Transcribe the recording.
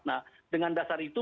nah dengan dasar itu